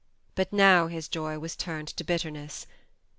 But now his joy was turned to bitterness.